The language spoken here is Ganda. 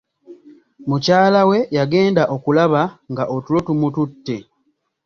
Mukyala we yagenda okulaba nga otulo tumutute.